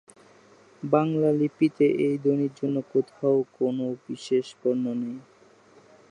বাংলা লিপিতে এই ধ্বনির জন্য কোনও বিশেষ বর্ণ নেই।